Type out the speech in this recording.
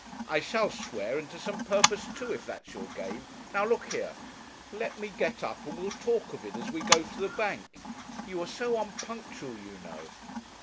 'I shall swear, and to some purpose too, if that's your game. Now look here ' 'Let me get up, and we'll talk of it as we go to the bank you are so unpunctual, you know.'